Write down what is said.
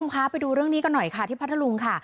คุณผู้ชมคะไปดูเรื่องนี้กันหน่อยค่ะที่พัทธลุงค่ะ